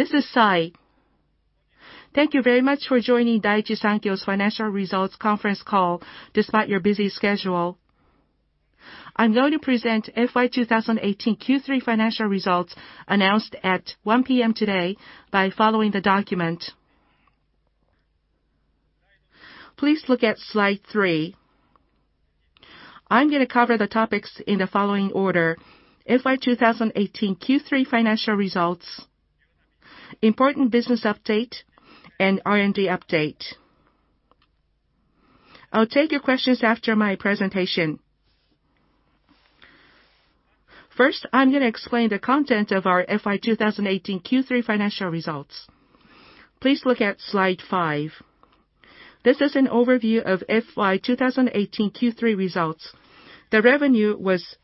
This is Sai. Thank you very much for joining Daiichi Sankyo's financial results conference call despite your busy schedule. I am going to present FY 2018 Q3 financial results announced at 1:00 P.M. today by following the document. Please look at slide three. I am going to cover the topics in the following order: FY 2018 Q3 financial results, important business update, and R&D update. I will take your questions after my presentation. First, I am going to explain the content of our FY 2018 Q3 financial results. Please look at slide five. This is an overview of FY 2018 Q3 results. The revenue was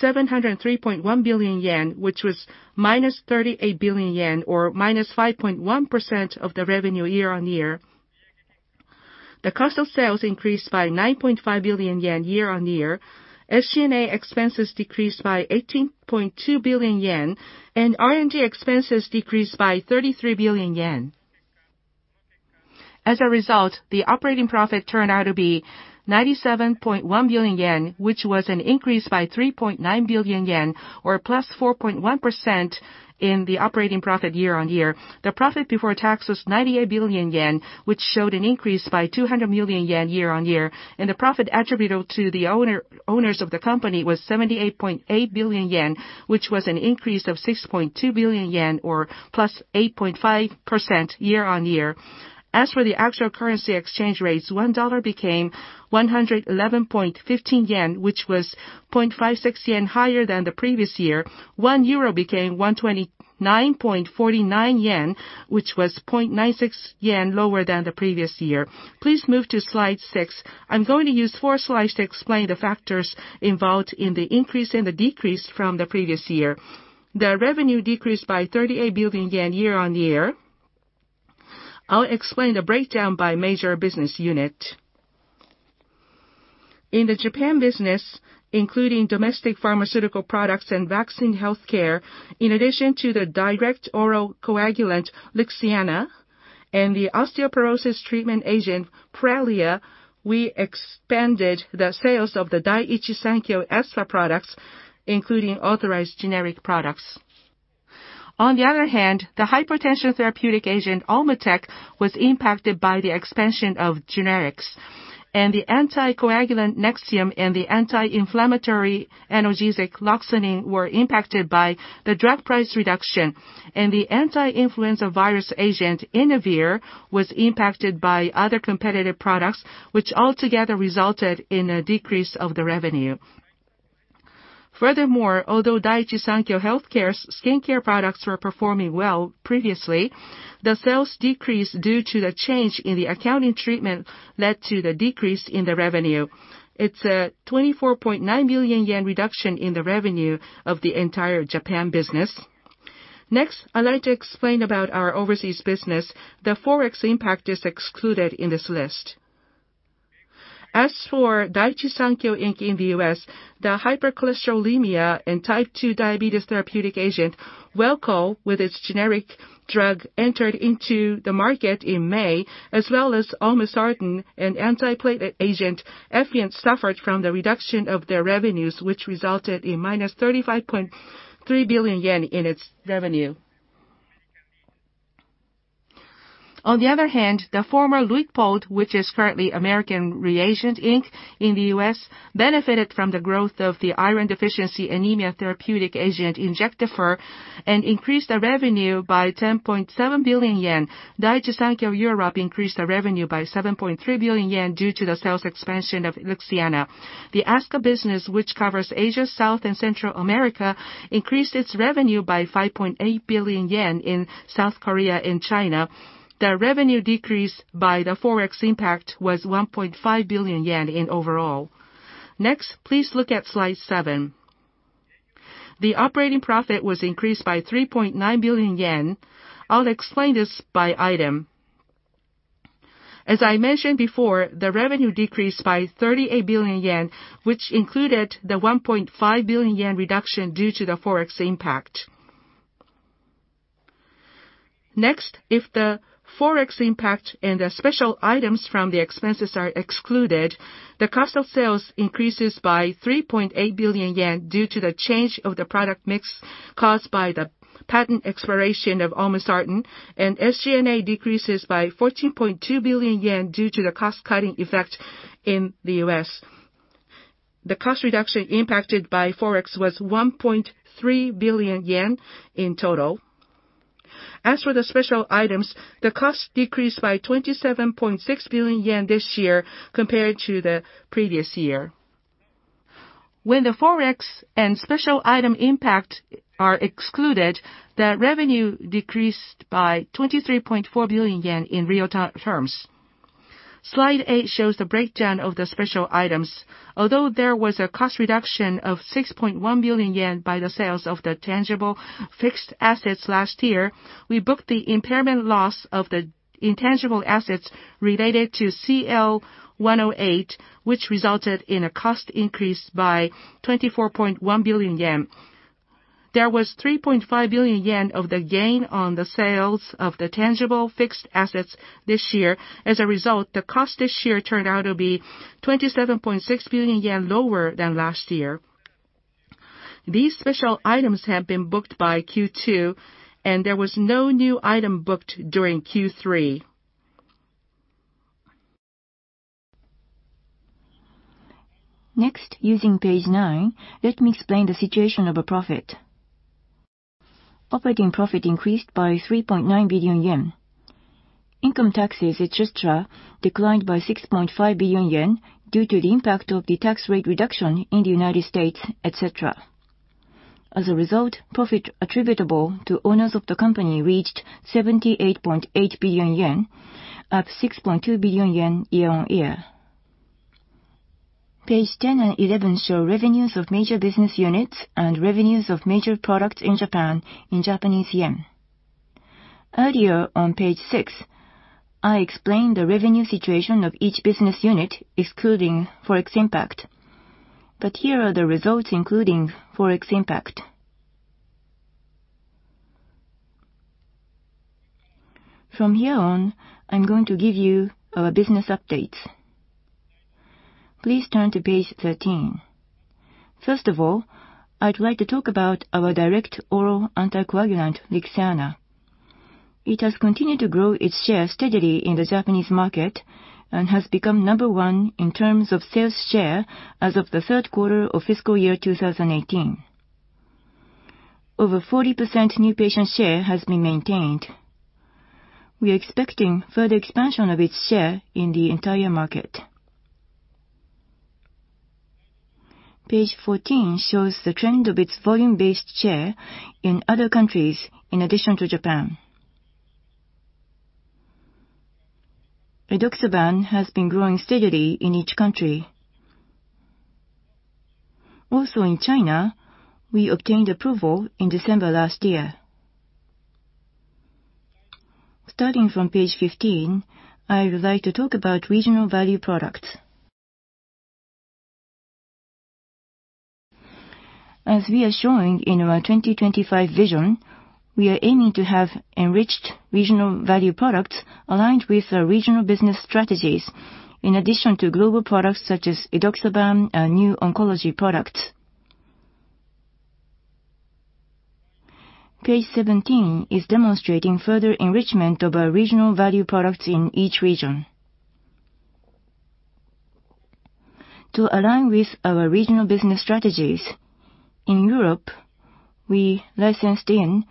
703.1 billion yen, which was minus 38 billion yen, or -5.1% of the revenue year-over-year. The cost of sales increased by 9.5 billion yen year-over-year. SG&A expenses decreased by 18.2 billion yen, and R&D expenses decreased by 33 billion yen. The operating profit turned out to be 97.1 billion yen, which was an increase by 3.9 billion yen, or +4.1% in the operating profit year-over-year. The profit before tax was 98 billion yen, which showed an increase by 200 million yen year-over-year. The profit attributable to the owners of the company was 78.8 billion yen, which was an increase of 6.2 billion yen, or +8.5% year-over-year. As for the actual currency exchange rates, $1 became 111.15 yen, which was 0.56 yen higher than the previous year. 1 euro became 129.49 yen, which was 0.96 yen lower than the previous year. Please move to slide six. I am going to use four slides to explain the factors involved in the increase and the decrease from the previous year. The revenue decreased by 38 billion yen year-over-year. I will explain the breakdown by major business unit. In the Japan business, including domestic pharmaceutical products and vaccine healthcare, in addition to the direct oral coagulant LIXIANA and the osteoporosis treatment agent, PRALIA, we expanded the sales of the Daiichi Sankyo Espha products, including authorized generic products. On the other hand, the hypertension therapeutic agent, Olmetec, was impacted by the expansion of generics. The anticoagulant Nexium and the anti-inflammatory analgesic Loxonin were impacted by the drug price reduction. The anti-influenza virus agent, Inavir, was impacted by other competitive products, which altogether resulted in a decrease of the revenue. Furthermore, although Daiichi Sankyo Healthcare's skincare products were performing well previously, the sales decrease due to the change in the accounting treatment led to the decrease in the revenue. It is a 24.9 billion yen reduction in the revenue of the entire Japan business. Next, I would like to explain about our overseas business. The Forex impact is excluded in this list. As for Daiichi Sankyo Inc. in the U.S., the hypercholesterolemia and type 2 diabetes therapeutic agent, Welchol, with its generic drug, entered into the market in May, as well as olmesartan and anti-platelet agent, Effient, suffered from the reduction of their revenues, which resulted in minus 35.3 billion yen in its revenue. On the other hand, the former Luitpold, which is currently American Regent, Inc. in the U.S., benefited from the growth of the iron deficiency anemia therapeutic agent, Injectafer, and increased the revenue by 10.7 billion yen. Daiichi Sankyo Europe increased the revenue by 7.3 billion yen due to the sales expansion of LIXIANA. The ASCA business, which covers Asia, South and Central America, increased its revenue by 5.8 billion yen in South Korea and China. The revenue decrease by the Forex impact was 1.5 billion yen in overall. Next, please look at slide seven. The operating profit was increased by 3.9 billion yen. I'll explain this by item. As I mentioned before, the revenue decreased by 38 billion yen, which included the 1.5 billion yen reduction due to the Forex impact. If the Forex impact and the special items from the expenses are excluded, the cost of sales increases by 3.8 billion yen due to the change of the product mix caused by the patent expiration of olmesartan, and SG&A decreases by 14.2 billion yen due to the cost-cutting effect in the U.S. The cost reduction impacted by Forex was 1.3 billion yen in total. The cost decreased by 27.6 billion yen this year compared to the previous year. When the Forex and special item impact are excluded, the revenue decreased by 23.4 billion yen in real terms. Slide eight shows the breakdown of the special items. Although there was a cost reduction of 6.1 billion yen by the sales of the tangible fixed assets last year, we booked the impairment loss of the intangible assets related to CL-108, which resulted in a cost increase by 24.1 billion yen. There was 3.5 billion yen of the gain on the sales of the tangible fixed assets this year. The cost this year turned out to be 27.6 billion yen lower than last year. These special items have been booked by Q2, and there was no new item booked during Q3. Using page nine, let me explain the situation of a profit. Operating profit increased by 3.9 billion yen. Income taxes, et cetera, declined by 6.5 billion yen due to the impact of the tax rate reduction in the United States, et cetera. Profit attributable to owners of the company reached 78.8 billion yen, up 6.2 billion yen year-on-year. Page 10 and 11 show revenues of major business units and revenues of major products in Japan in JPY. Earlier on page six, I explained the revenue situation of each business unit, excluding Forex impact, but here are the results, including Forex impact. I'm going to give you our business updates. Please turn to page 13. I'd like to talk about our direct oral anticoagulant, LIXIANA. It has continued to grow its share steadily in the Japanese market and has become number one in terms of sales share as of the third quarter of FY 2018. Over 40% new patient share has been maintained. We are expecting further expansion of its share in the entire market. Page 14 shows the trend of its volume-based share in other countries in addition to Japan. edoxaban has been growing steadily in each country. Also in China, we obtained approval in December last year. I would like to talk about regional value products. As we are showing in our 2025 vision, we are aiming to have enriched regional value products aligned with our regional business strategies. In addition to global products such as edoxaban and new oncology products. Page 17 is demonstrating further enrichment of our regional value products in each region. To align with our regional business strategies, in Europe, we licensed in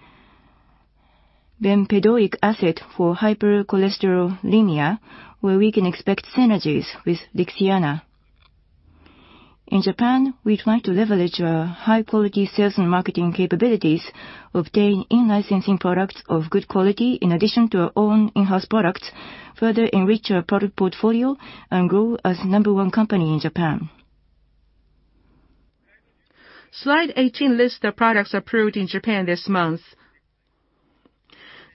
bempedoic acid for hypercholesterolemia, where we can expect synergies with LIXIANA. In Japan, we'd like to leverage our high-quality sales and marketing capabilities, obtain in-licensing products of good quality in addition to our own in-house products, further enrich our product portfolio, and grow as the number one company in Japan. slide 18 lists the products approved in Japan this month.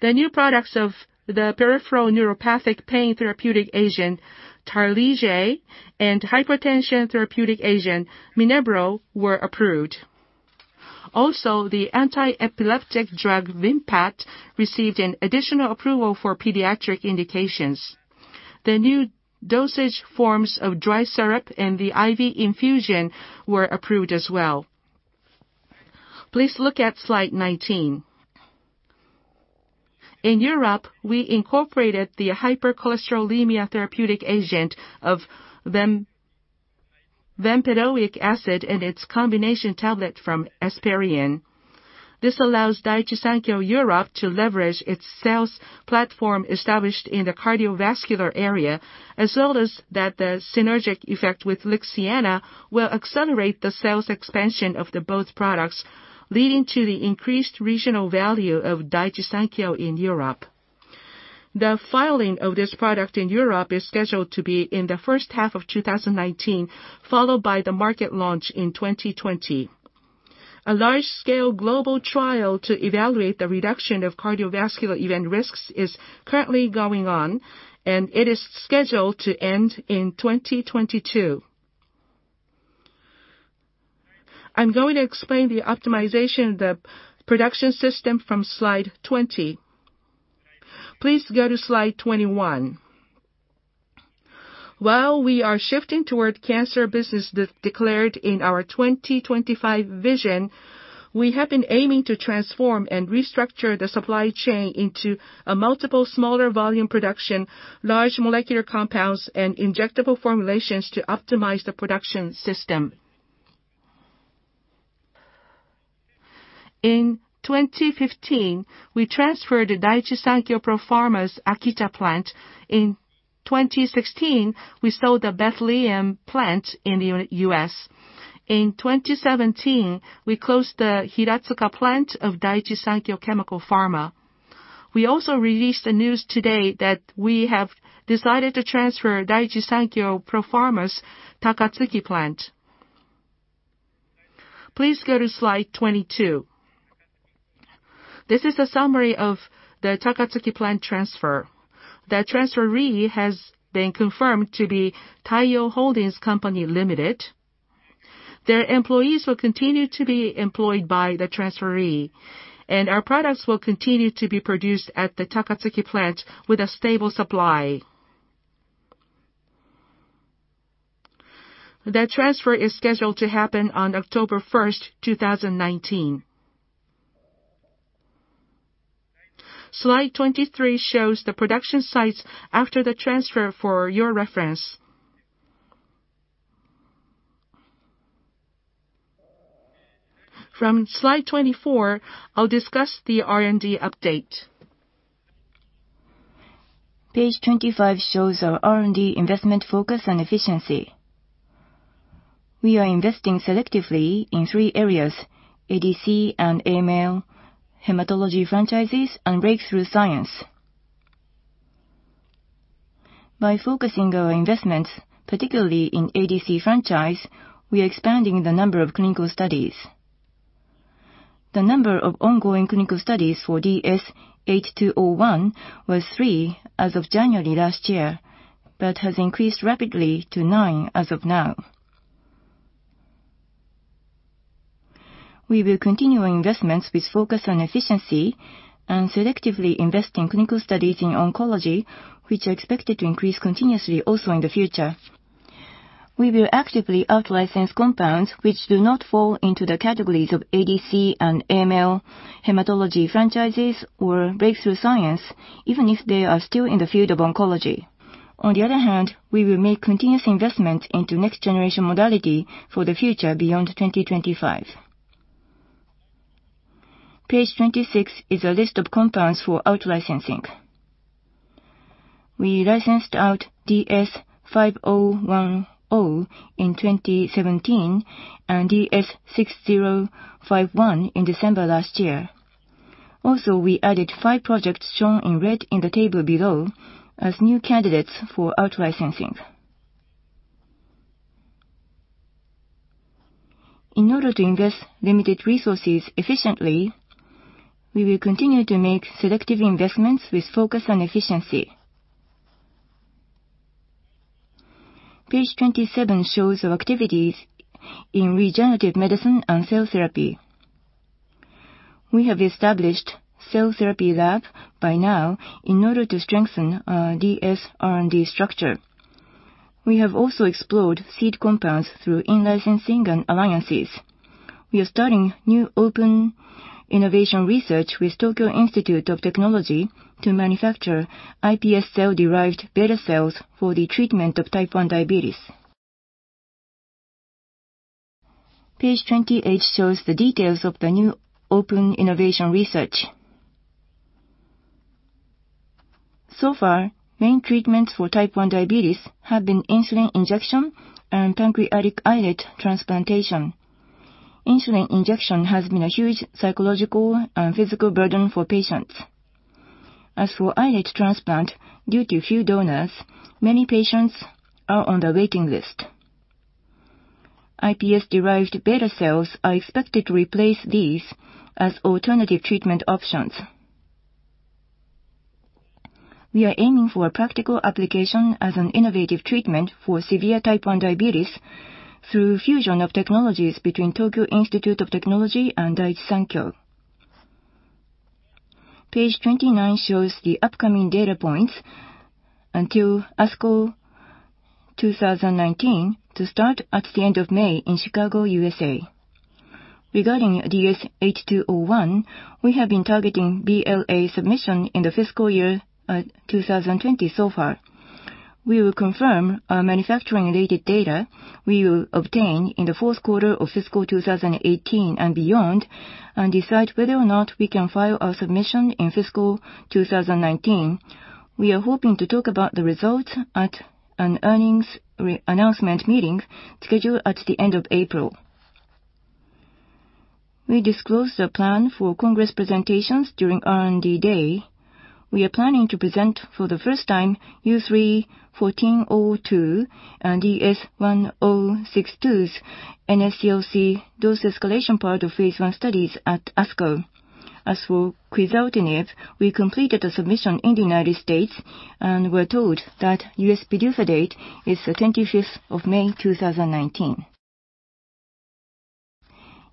The new products of the peripheral neuropathic pain therapeutic agent, Tarlige, and hypertension therapeutic agent, MINNEBRO, were approved. Also, the anti-epileptic drug, VIMPAT, received an additional approval for pediatric indications. The new dosage forms of dry syrup and the IV infusion were approved as well. Please look at slide 19. In Europe, we incorporated the hypercholesterolemia therapeutic agent of bempedoic acid and its combination tablet from Esperion. This allows Daiichi Sankyo Europe to leverage its sales platform established in the cardiovascular area, as well as that the synergic effect with LIXIANA will accelerate the sales expansion of both products, leading to the increased regional value of Daiichi Sankyo in Europe. The filing of this product in Europe is scheduled to be in the first half of 2019, followed by the market launch in 2020. A large-scale global trial to evaluate the reduction of cardiovascular event risks is currently going on. It is scheduled to end in 2022. I'm going to explain the optimization of the production system from slide 20. Please go to slide 21. While we are shifting toward cancer business declared in our 2025 vision, we have been aiming to transform and restructure the supply chain into a multiple smaller volume production, large molecular compounds, and injectable formulations to optimize the production system. In 2015, we transferred the Daiichi Sankyo Propharma's Akita plant. In 2016, we sold the Bethlehem plant in the U.S. In 2017, we closed the Hiratsuka plant of Daiichi Sankyo Chemical Pharma. We also released the news today that we have decided to transfer Daiichi Sankyo Propharma's Takatsuki plant. Please go to slide 22. This is a summary of the Takatsuki plant transfer. The transferee has been confirmed to be Taiyo Holdings Co., Ltd. Their employees will continue to be employed by the transferee. Our products will continue to be produced at the Takatsuki plant with a stable supply. The transfer is scheduled to happen on October 1st, 2019. slide 23 shows the production sites after the transfer for your reference. From slide 24, I'll discuss the R&D update. page 25 shows our R&D investment focus and efficiency. We are investing selectively in three areas: ADC and AML, hematology franchises, and breakthrough science. By focusing our investments, particularly in ADC franchise, we are expanding the number of clinical studies. The number of ongoing clinical studies for DS-8201 was three as of January last year, but has increased rapidly to nine as of now. We will continue our investments with focus on efficiency and selectively invest in clinical studies in oncology, which are expected to increase continuously also in the future. We will actively out-license compounds which do not fall into the categories of ADC and AML, hematology franchises, or breakthrough science, even if they are still in the field of oncology. On the other hand, we will make continuous investment into next generation modality for the future beyond 2025. Page 26 is a list of compounds for out-licensing. We licensed out DS-5010 in 2017 and DS-6051 in December last year. Also, we added five projects shown in red in the table below as new candidates for out-licensing. In order to invest limited resources efficiently, we will continue to make selective investments with focus on efficiency. Page 27 shows our activities in regenerative medicine and cell therapy. We have established cell therapy lab by now in order to strengthen our DS R&D structure. We have also explored seed compounds through in-licensing and alliances. We are starting new open innovation research with Tokyo Institute of Technology to manufacture iPS cell-derived beta cells for the treatment of Type 1 diabetes. Page 28 shows the details of the new open innovation research. Far, main treatments for Type 1 diabetes have been insulin injection and pancreatic islet transplantation. Insulin injection has been a huge psychological and physical burden for patients. As for islet transplant, due to few donors, many patients are on the waiting list. iPS-derived beta cells are expected to replace these as alternative treatment options. We are aiming for a practical application as an innovative treatment for severe Type 1 diabetes through fusion of technologies between Tokyo Institute of Technology and Daiichi Sankyo. Page 29 shows the upcoming data points until ASCO 2019 to start at the end of May in Chicago, U.S. Regarding DS-8201, we have been targeting BLA submission in the fiscal year 2020 so far. We will confirm our manufacturing-related data we will obtain in the fourth quarter of fiscal 2018 and beyond, and decide whether or not we can file our submission in fiscal 2019. We are hoping to talk about the results at an earnings announcement meeting scheduled at the end of April. We disclosed the plan for Congress presentations during R&D Day. We are planning to present for the first time U3-1402 and DS-1062's NSCLC dose escalation part of Phase I studies at ASCO. As for Quizartinib, we completed the submission in the U.S. and were told that U.S. PDUFA date is the 25th of May, 2019.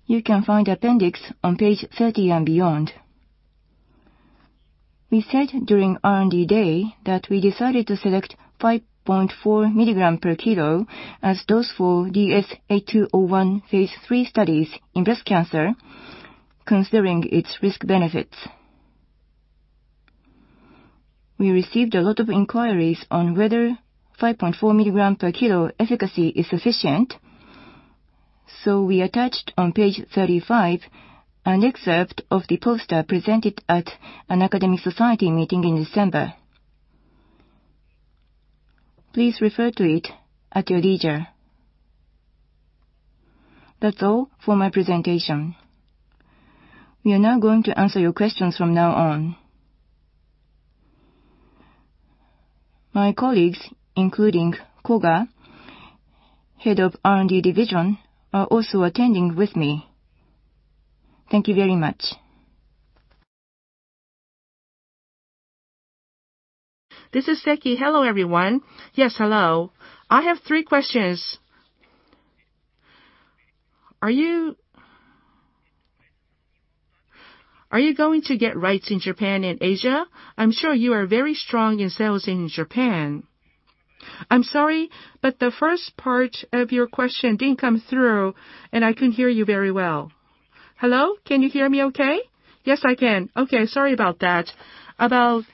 You can find appendix on page 30 and beyond. We said during R&D Day that we decided to select 5.4 milligram per kilo as dose for DS-8201 Phase I studies in breast cancer, considering its risk/benefits. We received a lot of inquiries on whether 5.4 milligram per kilo efficacy is sufficient, we attached on page 35 an excerpt of the poster presented at an academic society meeting in December. Please refer to it at your leisure. That's all for my presentation. We are now going to answer your questions from now on. My colleagues, including Koga, Head of R&D Unit, are also attending with me. Thank you very much. This is Seki. Hello, everyone. Yes, hello. I have three questions. Are you going to get rights in Japan and Asia? I am sure you are very strong in sales in Japan. I am sorry, the first part of your question did not come through, and I could not hear you very well. Hello? Can you hear me okay? Yes, I can. Okay. Sorry about that. About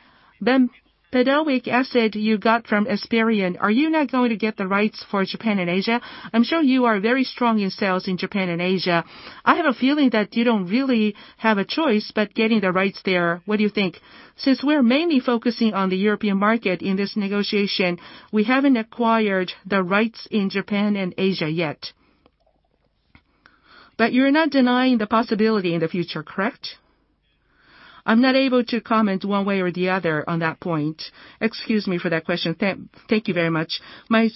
the bempedoic acid you got from Esperion, are you not going to get the rights for Japan and Asia? I am sure you are very strong in sales in Japan and Asia. I have a feeling that you do not really have a choice but getting the rights there. What do you think? Since we are mainly focusing on the European market in this negotiation, we have not acquired the rights in Japan and Asia yet. You are not denying the possibility in the future, correct? I am not able to comment one way or the other on that point. Excuse me for that question. Thank you very much. My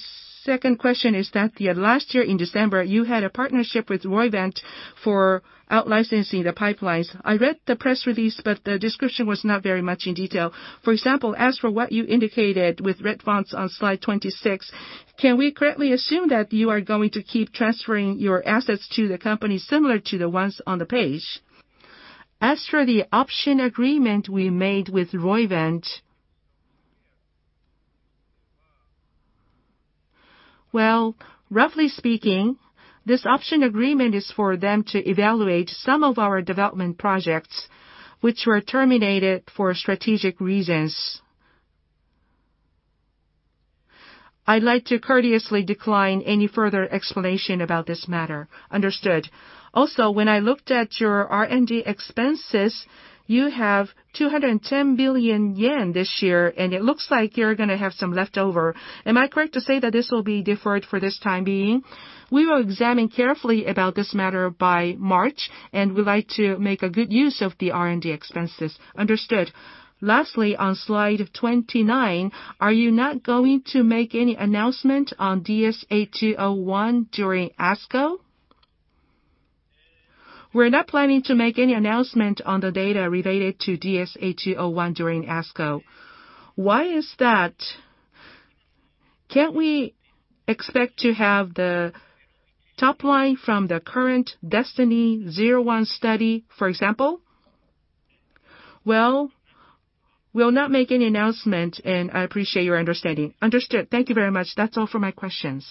second question is that last year in December, you had a partnership with Roivant for out-licensing the pipelines. I read the press release, the description was not very much in detail. For example, as for what you indicated with red fonts on slide 26, can we correctly assume that you are going to keep transferring your assets to the company similar to the ones on the page? As for the option agreement we made with Roivant, well, roughly speaking, this option agreement is for them to evaluate some of our development projects, which were terminated for strategic reasons. I would like to courteously decline any further explanation about this matter. Understood. Also, when I looked at your R&D expenses, you have 210 billion yen this year, and it looks like you are going to have some leftover. Am I correct to say that this will be deferred for this time being? We will examine carefully about this matter by March, and we would like to make a good use of the R&D expenses. Understood. Lastly, on slide 29, are you not going to make any announcement on DS-8201 during ASCO? We are not planning to make any announcement on the data related to DS-8201 during ASCO. Why is that? Can we not expect to have the top line from the current DESTINY-01 study, for example? Well, we will not make any announcement, and I appreciate your understanding. Understood. Thank you very much. That is all for my questions.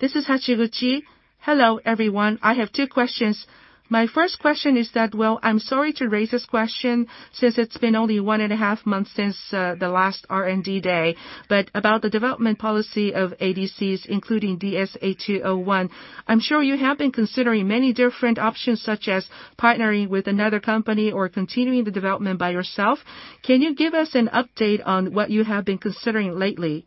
This is Hachiguchi. Hello, everyone. I have two questions. My first question is that, well, I am sorry to raise this question since it has been only one and a half months since the last R&D Day, but about the development policy of ADCs, including DS-8201. I am sure you have been considering many different options, such as partnering with another company or continuing the development by yourself. Can you give us an update on what you have been considering lately?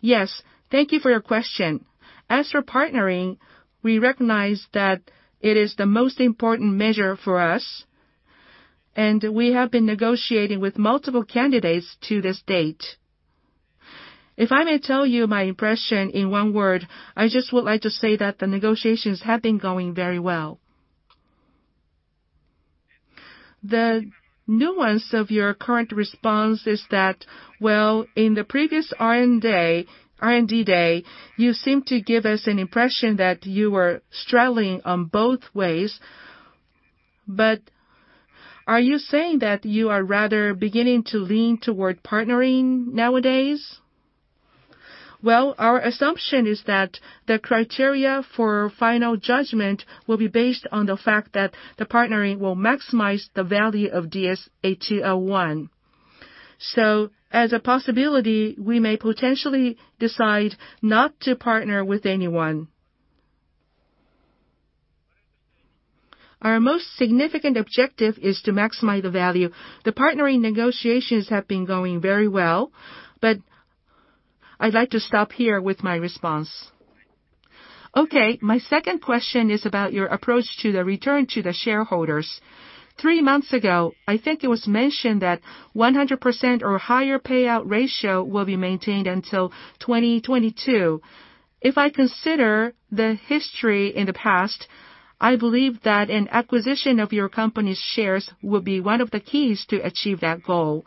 Yes. Thank you for your question. As for partnering, we recognize that it is the most important measure for us, and we have been negotiating with multiple candidates to this date. If I may tell you my impression in one word, I just would like to say that the negotiations have been going very well. The nuance of your current response is that, well, in the previous R&D Day, you seemed to give us an impression that you were straddling on both ways. Are you saying that you are rather beginning to lean toward partnering nowadays? Well, our assumption is that the criteria for final judgment will be based on the fact that the partnering will maximize the value of DS-8201. So as a possibility, we may potentially decide not to partner with anyone. Our most significant objective is to maximize the value. The partnering negotiations have been going very well, but I'd like to stop here with my response. Okay. My second question is about your approach to the return to the shareholders. Three months ago, I think it was mentioned that 100% or higher payout ratio will be maintained until 2022. If I consider the history in the past, I believe that an acquisition of your company's shares will be one of the keys to achieve that goal.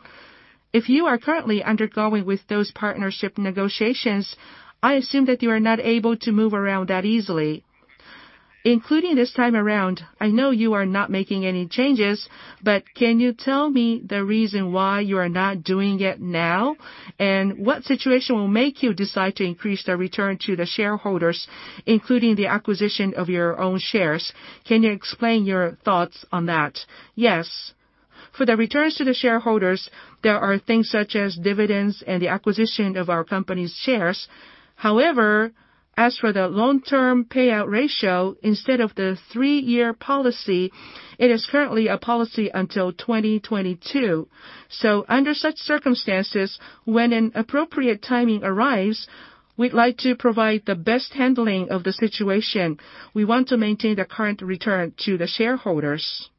If you are currently undergoing with those partnership negotiations, I assume that you are not able to move around that easily. Including this time around, I know you are not making any changes, but can you tell me the reason why you are not doing it now? What situation will make you decide to increase the return to the shareholders, including the acquisition of your own shares? Can you explain your thoughts on that? Yes. For the returns to the shareholders, there are things such as dividends and the acquisition of our company's shares. However, as for the long-term payout ratio, instead of the three-year policy, it is currently a policy until 2022. So under such circumstances, when an appropriate timing arrives, we'd like to provide the best handling of the situation. We want to maintain the current return to the shareholders.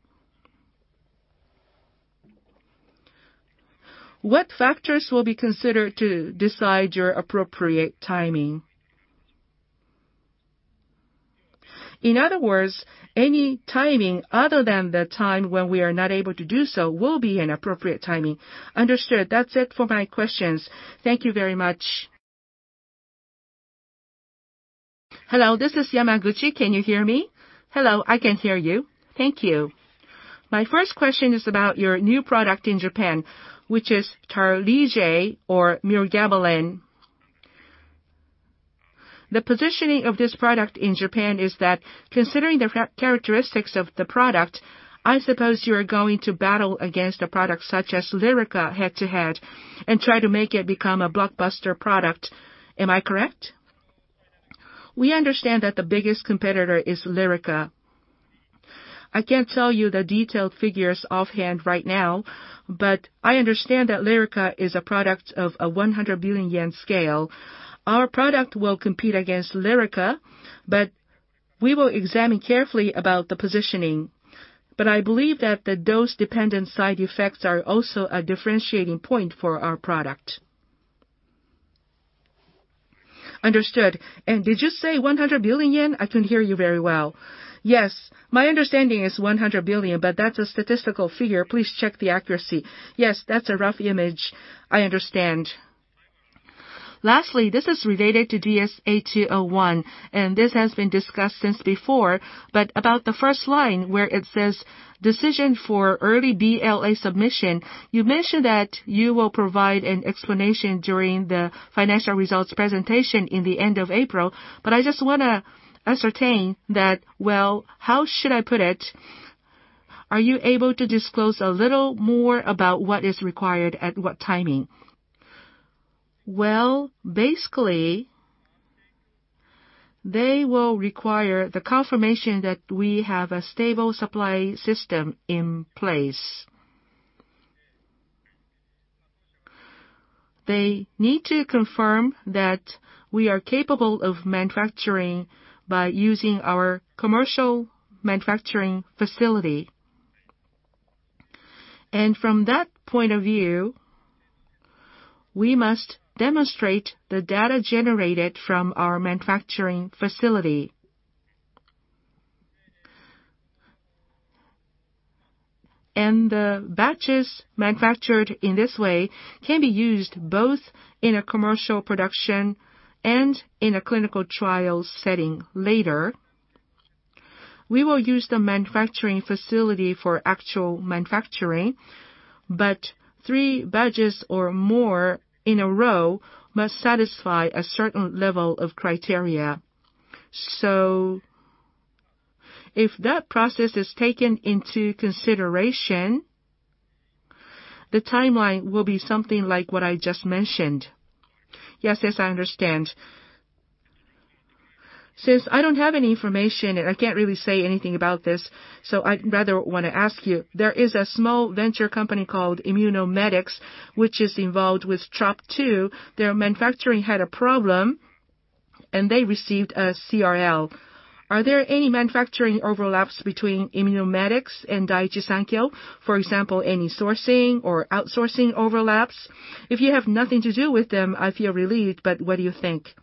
What factors will be considered to decide your appropriate timing? In other words, any timing other than the time when we are not able to do so will be an appropriate timing. Understood. That's it for my questions. Thank you very much. Hello, this is Yamaguchi. Can you hear me? Hello, I can hear you. Thank you. My first question is about your new product in Japan, which is Tarlige or mirogabalin. The positioning of this product in Japan is that considering the characteristics of the product, I suppose you are going to battle against a product such as Lyrica head-to-head and try to make it become a blockbuster product. Am I correct? We understand that the biggest competitor is Lyrica. I can't tell you the detailed figures offhand right now, but I understand that Lyrica is a product of a 100 billion yen scale. Our product will compete against Lyrica, but we will examine carefully about the positioning. But I believe that the dose-dependent side effects are also a differentiating point for our product. Understood. Did you say 100 billion yen? I couldn't hear you very well. Yes. My understanding is 100 billion, but that's a statistical figure. Please check the accuracy. Yes, that's a rough image. I understand. Lastly, this is related to DS-8201, and this has been discussed since before, about the first line where it says decision for early BLA submission, you mentioned that you will provide an explanation during the financial results presentation in the end of April. I just want to ascertain that, well, how should I put it? Are you able to disclose a little more about what is required at what timing? Basically, they will require the confirmation that we have a stable supply system in place. They need to confirm that we are capable of manufacturing by using our commercial manufacturing facility. From that point of view, we must demonstrate the data generated from our manufacturing facility. The batches manufactured in this way can be used both in a commercial production and in a clinical trial setting later. We will use the manufacturing facility for actual manufacturing, three batches or more in a row must satisfy a certain level of criteria. If that process is taken into consideration, the timeline will be something like what I just mentioned. Yes, yes, I understand. Since I don't have any information, and I can't really say anything about this, I'd rather want to ask you. There is a small venture company called Immunomedics, which is involved with TROP2. Their manufacturing had a problem, and they received a CRL. Are there any manufacturing overlaps between Immunomedics and Daiichi Sankyo? For example, any sourcing or outsourcing overlaps? If you have nothing to do with them, I feel relieved, but what do you think?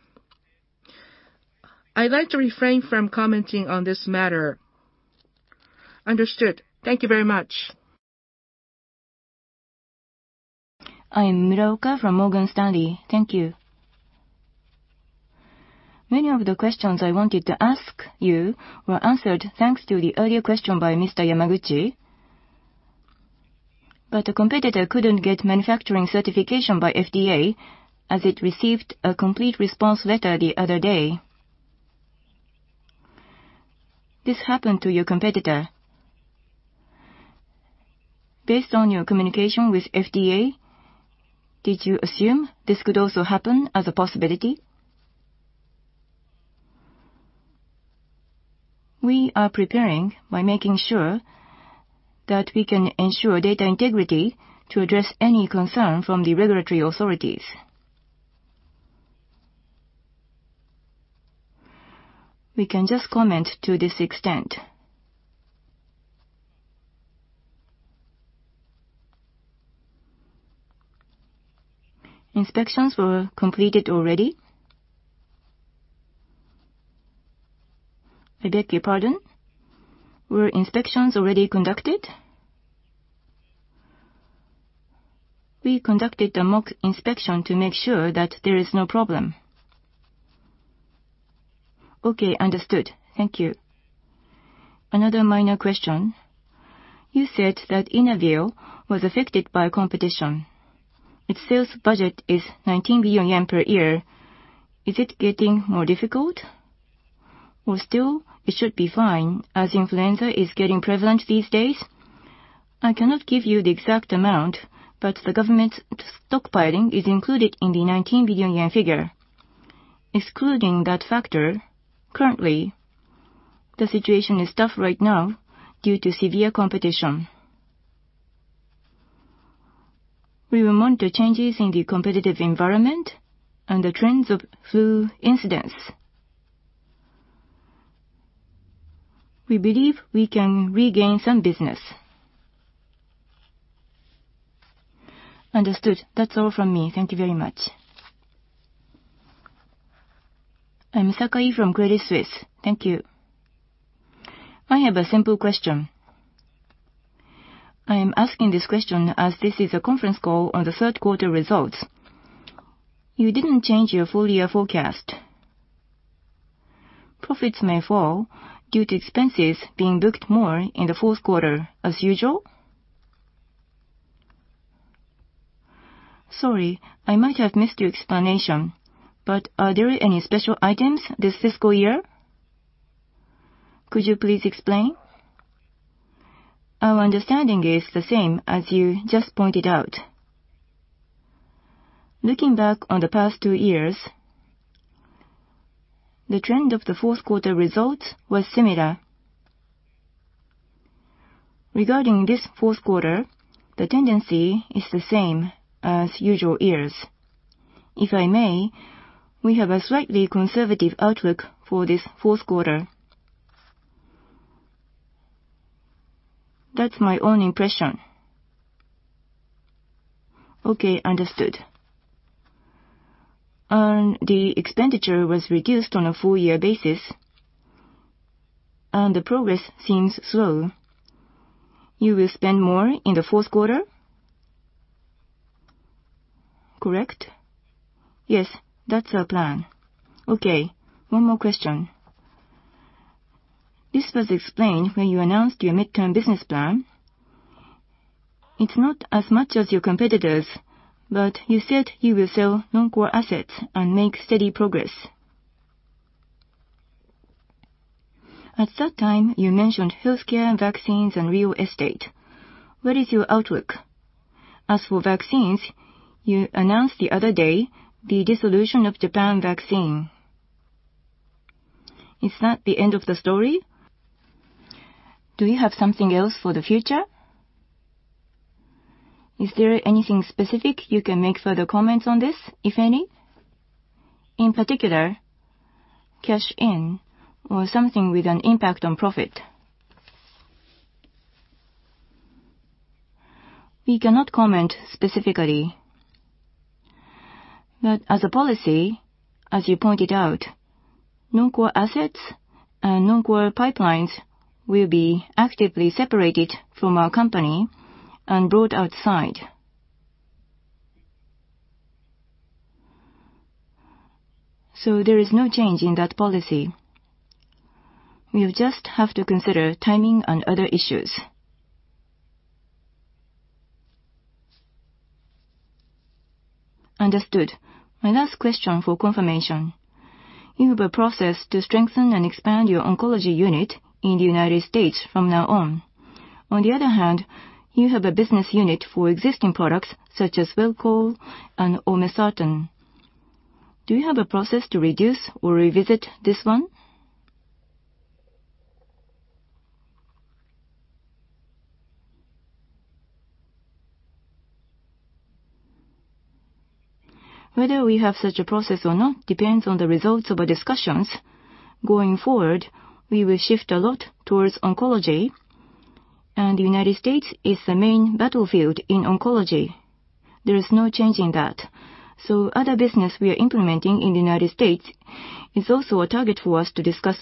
I'd like to refrain from commenting on this matter. Understood. Thank you very much. I am Muraoka from Morgan Stanley. Thank you. Many of the questions I wanted to ask you were answered thanks to the earlier question by Mr. Yamaguchi. A competitor couldn't get manufacturing certification by FDA as it received a complete response letter the other day. This happened to your competitor. Based on your communication with FDA, did you assume this could also happen as a possibility? We are preparing by making sure that we can ensure data integrity to address any concern from the regulatory authorities. We can just comment to this extent. Inspections were completed already? I beg your pardon? Were inspections already conducted? We conducted a mock inspection to make sure that there is no problem. Okay, understood. Thank you. Another minor question. You said that Inavir was affected by competition. Its sales budget is 19 billion yen per year. Is it getting more difficult? Still, it should be fine as influenza is getting prevalent these days? I cannot give you the exact amount. The government's stockpiling is included in the 19 billion yen figure. Excluding that factor, currently, the situation is tough right now due to severe competition. We will monitor changes in the competitive environment and the trends of flu incidents. We believe we can regain some business. Understood. That's all from me. Thank you very much. I'm Sakai from Credit Suisse. Thank you. I have a simple question. I am asking this question as this is a conference call on the third quarter results. You didn't change your full year forecast. Profits may fall due to expenses being booked more in the fourth quarter as usual? Sorry, I might have missed your explanation. Are there any special items this fiscal year? Could you please explain? Our understanding is the same as you just pointed out. Looking back on the past two years, the trend of the fourth quarter results was similar. Regarding this fourth quarter, the tendency is the same as usual years. If I may, we have a slightly conservative outlook for this fourth quarter. That's my own impression. Okay, understood. The expenditure was reduced on a full year basis. The progress seems slow. You will spend more in the fourth quarter? Correct? Yes, that's our plan. Okay. One more question. This was explained when you announced your midterm business plan. It's not as much as your competitors. You said you will sell non-core assets and make steady progress. At that time, you mentioned healthcare and vaccines and real estate. What is your outlook? As for vaccines, you announced the other day the dissolution of Japan Vaccine. Is that the end of the story? Do you have something else for the future? Is there anything specific you can make further comments on this, if any? In particular, cash in or something with an impact on profit. We cannot comment specifically. As a policy, as you pointed out, non-core assets and non-core pipelines will be actively separated from our company and brought outside. There is no change in that policy. We will just have to consider timing and other issues. Understood. My last question for confirmation. You have a process to strengthen and expand your oncology unit in the U.S. from now on. On the other hand, you have a business unit for existing products such as WELCHOL and olmesartan. Do you have a process to reduce or revisit this one? Whether we have such a process or not depends on the results of our discussions. Going forward, we will shift a lot towards oncology, and the U.S. is the main battlefield in oncology. There is no change in that. Other business we are implementing in the U.S. is also a target for us to discuss.